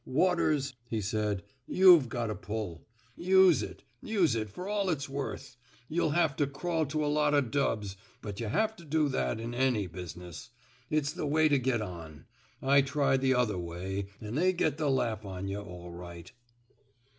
Waters," he said, *' you've got a pull. Use it — use it fer all it's worth. Yuh'U have to crawl to a lot o' dubs, but yuh have to do that in any business. It's the way to get on. I tried the other way, an' they get the laugh on yuh all right."